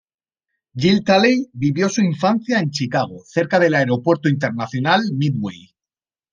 Jill Talley vivió su infancia en Chicago, cerca del Aeropuerto Internacional Midway.